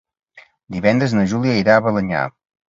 Divendres na Júlia irà a Balenyà.